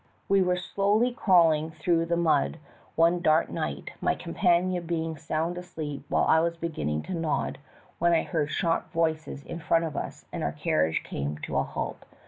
231 We were slowly crawling through the mud one dark night, my companion being sound asleep while I was beginning to nod, when I heard sharp voices in front of us and our carriage came to a halt.